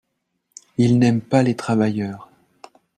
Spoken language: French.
Ils n’aiment pas les travailleurs.